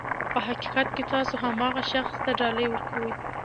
په حقیقت کې تاسو هماغه شخص ته ډالۍ ورکوئ.